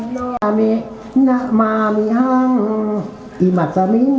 นี่ก็ดีมากจักร